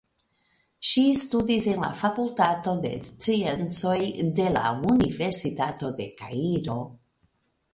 Ŝi studis en la Fakultato de Sciencoj de la Universitato de Kairo.